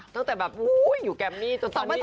ตั้งแต่แบบอยู่แกมมี่จนตอนนี้